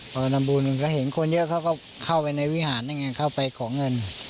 พอทำบุญก็เห็นคนเยอะเขาก็เข้าไปในวิหารนั่นไงเข้าไปขอเงิน